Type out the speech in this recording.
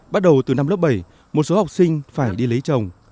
bắt đầu từ năm lớp bảy một số học sinh phải đi lấy chồng